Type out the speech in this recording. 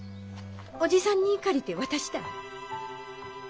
おじさんに借りて渡した。